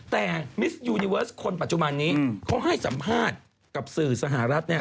แต่มิสยูนิเวิร์สคนปัจจุบันนี้เขาให้สัมภาษณ์กับสื่อสหรัฐเนี่ย